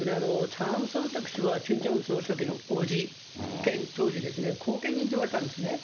チャン・ソンテク氏はキム・ジョンウン総書記の叔父兼当時、後見人といわれたんですね。